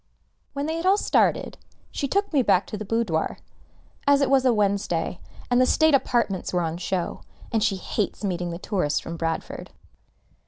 When they had all started, she took me back to the boudoir, as it was a Wednesday, and the state apartments were on show, and she hates meeting the tourists from Bradford.